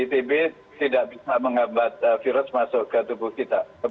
tidak bisa mengambat virus masuk ke tubuh kita